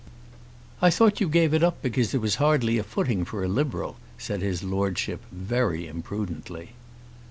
"I thought you gave it up because there was hardly a footing for a Liberal," said his Lordship, very imprudently.